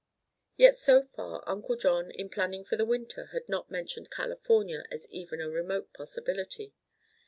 Yet so far Uncle John, in planning for the winter, had not mentioned California as even a remote possibility.